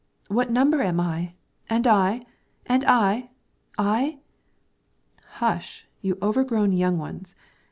"What number am I?" "And I?" "And I I?" "Hush! you overgrown young ones!